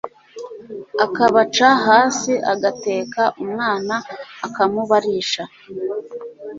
akabaca hasi Agateka umwana akamubarisha